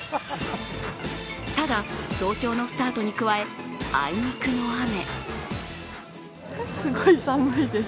ただ、早朝のスタートに加えあいにくの雨。